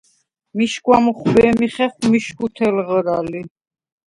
მიშგვა მუხვბე̄მი ხეხვი მიშგუ თელღრა ლი.